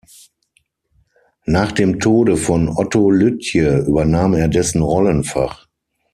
Nach dem Tode von Otto Lüthje übernahm er dessen Rollenfach.